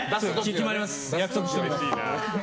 約束しておきます。